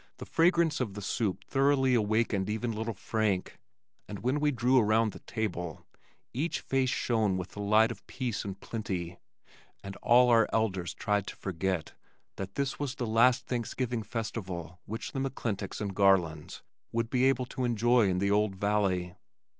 The fragrance of the soup thoroughly awakened even little Frank, and when we drew around the table, each face shone with the light of peace and plenty, and all our elders tried to forget that this was the last Thanksgiving festival which the McClintocks and Garlands would be able to enjoy in the old valley.